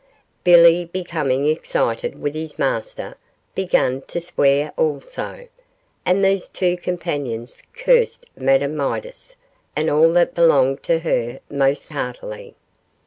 Billy, becoming excited with his master, began to swear also; and these two companions cursed Madame Midas and all that belonged to her most heartily.